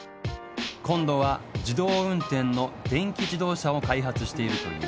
今度は自動運転の電気自動車を開発しているという。